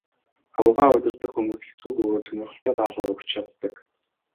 Аугаа удирдах хүмүүс хэцүү бөгөөд сонирхолтой даалгавар өгч чаддаг.